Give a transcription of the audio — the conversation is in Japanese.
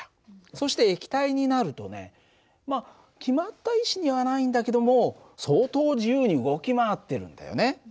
そして液体になるとねまあ決まった位置にはないんだけども相当自由に動き回ってるんだよね。